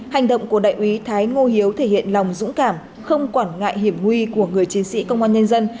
hành động của đại úy thái ngô hiếu thể hiện lòng dũng cảm không quản ngại hiểm nguy của người chiến sĩ công an nhân dân